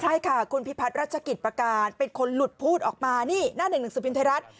ใช่ค่ะคุณพิพัฒน์รัชกิจประการเป็นคนหลุดพูดออกมานี่หน้าหนึ่งหนังสือพิมพ์ไทยรัฐ